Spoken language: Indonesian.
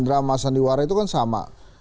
drama sandiwara itu kan sama